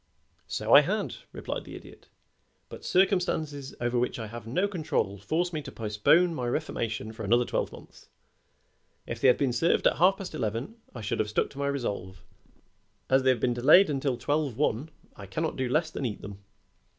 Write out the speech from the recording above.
"So I had," replied the Idiot, "but circumstances over which I have no control force me to postpone my reformation for another twelve months. If they had been served at half past eleven I should have stuck to my resolve; as they have been delayed until twelve one I cannot do less than eat them.